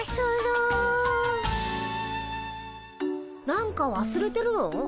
何かわすれてるの？